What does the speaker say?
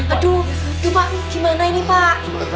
aduh ini pak gimana ini pak